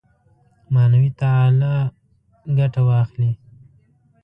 معنوي تعالي ګټه واخلي.